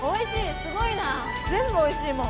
すごいなあ、全部おいしいもん。